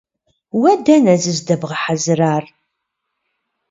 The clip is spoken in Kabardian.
Уэ дэнэ зыздэбгъэхьэзырар?